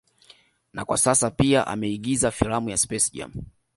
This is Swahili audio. Na kwa sasa pia ameigiza filamu ya SpaceJam